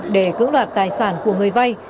để cưỡng đoạt tài sản của người vay